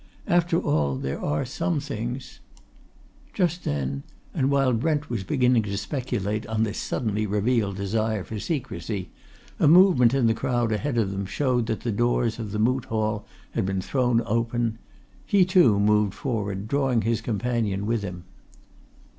After all, there are some things " Just then, and while Brent was beginning to speculate on this suddenly revealed desire for secrecy, a movement in the crowd ahead of them showed that the doors of the Moot Hall had been thrown open; he, too, moved forward, drawing his companion with him.